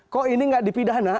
kok ini tidak dipidana